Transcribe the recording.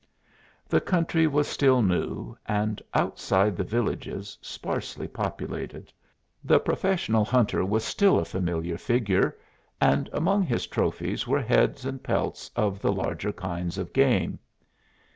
The country was still new and, outside the villages, sparsely populated. The professional hunter was still a familiar figure, and among his trophies were heads and pelts of the larger kinds of game.